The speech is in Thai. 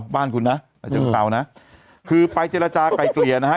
บ้านคุณนะเชิงเซานะคือไปเจรจากลายเกลี่ยนะฮะ